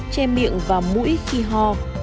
che miệng và mũi khi ho